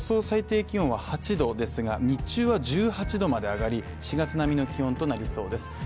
最低気温は８度ですが日中は１８度まで上がり、４月並みの気温となりそうです。